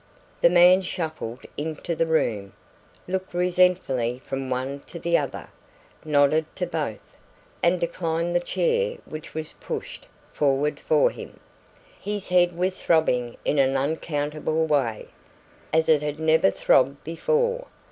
The man shuffled into the room, looked resentfully from one to the other, nodded to both, and declined the chair which was pushed forward for him. His head was throbbing in an unaccountable way, as it had never throbbed before.